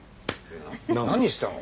何したの？